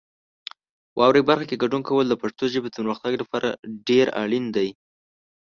واورئ برخه کې ګډون کول د پښتو ژبې د پرمختګ لپاره ډېر اړین دی.